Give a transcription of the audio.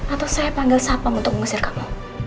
atau saya panggil sahabatmu untuk mengusir kamu